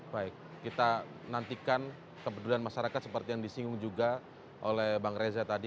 baik kita nantikan kepedulian masyarakat seperti yang disinggung juga oleh bang reza tadi